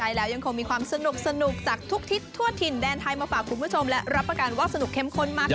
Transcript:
ใช่แล้วยังคงมีความสนุกจากทุกทิศทั่วถิ่นแดนไทยมาฝากคุณผู้ชมและรับประกันว่าสนุกเข้มข้นมากค่ะ